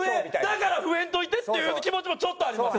だから増えんといてっていう気持ちもちょっとあります！